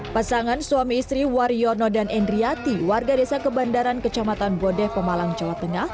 pasangan suami istri wariono dan endriati warga desa kebandaran kecamatan bodeh pemalang jawa tengah